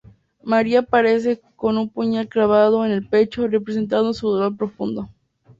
María aparece con un puñal clavado en el pecho representando su dolor profundo.